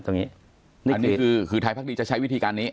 อันนี้คือไทยภาครีจะใช้วิธีการนี้